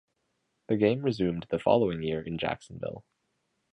The game resumed the following year in Jacksonville.